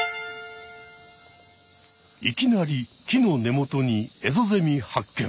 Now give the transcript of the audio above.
いきなり木の根元にエゾゼミ発見！